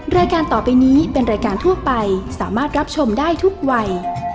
รายการต่อไปนี้เป็นรายการทั่วไปสามารถรับชมได้ทุกวัย